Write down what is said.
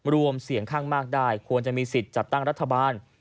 รวมเสียงข้างมากได้ควรจะมีสิทธิ์จัดตั้งรัฐบาล